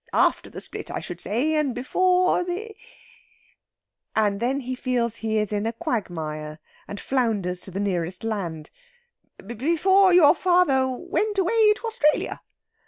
"After the split, I should say, and before the " and then he feels he is in a quagmire, and flounders to the nearest land "before your father went away to Australia."